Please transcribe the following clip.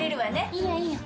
いいよいいよ。